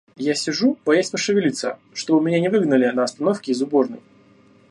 Я сижу, боясь пошевелиться, чтобы меня не выгнали на остановке из уборной.